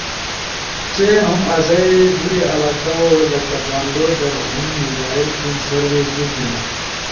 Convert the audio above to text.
۔چین ہم آسئی دورے علاقہ ؤ لکہ بانڈو در ہم موبائل فون سروس نی تھینو۔